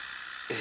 え？